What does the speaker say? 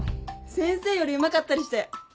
先生よりうまかったりして。